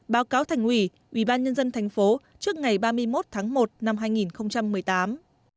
báo cáo thành ủy ủy ban nhân dân thành phố trước ngày ba mươi một tháng một năm hai nghìn một mươi tám